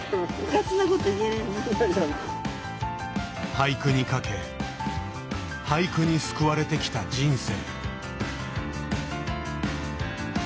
俳句に懸け俳句に救われてきた人生。